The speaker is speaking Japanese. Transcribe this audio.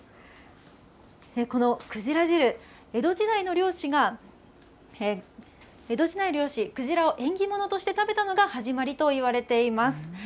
このくじら汁、江戸時代の漁師、くじらを縁起物として食べたのが始まりといわれています。